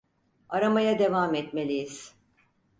Aramaya devam etmeliyiz.